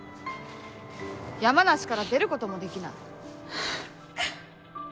山梨から出る事もできない。